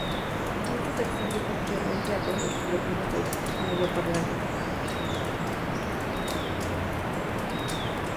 Su uso se extendió posteriormente a todos los pilotos de países angloparlantes.